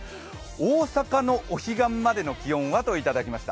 大阪のお彼岸までの気温は？といただきました。